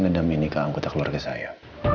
tidak menendam ini ke anggota keluarga saya